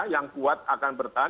yang kuat akan bertahan